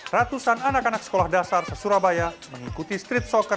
ratusan anak anak sekolah dasar se surabaya mengikuti street soccer